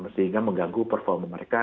sehingga mengganggu performa mereka